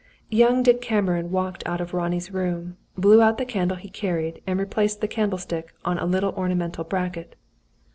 Young Dick Cameron walked out of Ronnie's room, blew out the candle he carried, and replaced the candlestick on a little ornamental bracket.